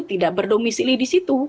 tidak berdomisili di situ